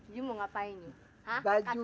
you mau ngapain you